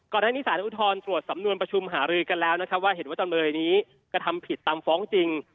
ก่อนหน้านี้สารอุทธรณ์ตรวจสำนวนประชุมหารือกันแล้วนะครับว่าเห็นว่าจำเลยนี้กระทำผิดตามฟ้องจริง